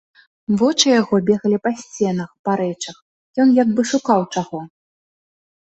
Вочы яго бегалі па сценах, па рэчах, ён як бы шукаў чаго.